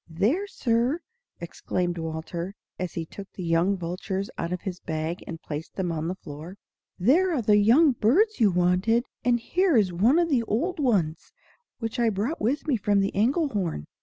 "There, Sir," exclaimed Walter, as he took the young vultures out of his bag and placed them on the floor "there are the birds you wanted; and here is one of the old ones, which I brought with me from the Engelhorn.